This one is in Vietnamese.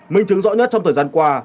minh chứng rõ nhất trong thời gian qua